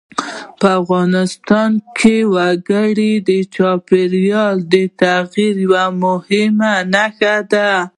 په افغانستان کې وګړي د چاپېریال د تغیر یوه مهمه نښه ده.